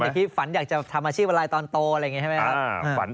คิดฝันอยากจะทำอาชีพอะไรตอนโตอะไรอย่างนี้ใช่ไหมครับ